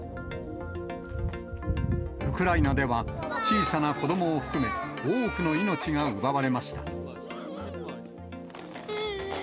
ウクライナでは、小さな子どもを含め、多くの命が奪われました。